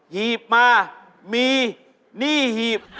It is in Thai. หีบมามีหนี้หีบ